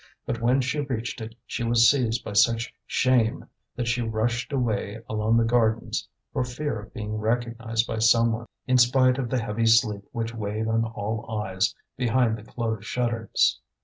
But when she reached it she was seized by such shame that she rushed away along the gardens for fear of being recognized by someone, in spite of the heavy sleep which weighed on all eyes behind the closed shutters.